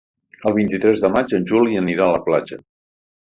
El vint-i-tres de maig en Juli anirà a la platja.